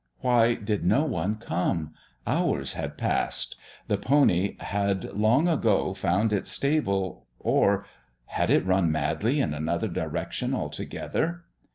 Why did no one come? Hours had passed. The pony had long ago found its stable, or had it run madly in another direction altogether?